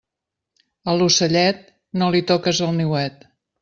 A l'ocellet, no li toques el niuet.